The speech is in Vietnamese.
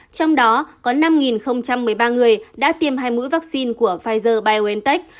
trong đó có năm một mươi ba người đã tiêm hai mũi vaccine của pfizer biontech